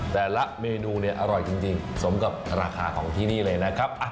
แต่ละเมนูเนี่ยอร่อยจริงสมกับราคาของที่นี่เลยนะครับ